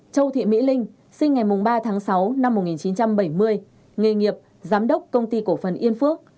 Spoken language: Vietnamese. châu thị mỹ linh sinh ngày ba tháng sáu năm một nghìn chín trăm bảy mươi nghề nghiệp giám đốc công ty cổ phần yên phước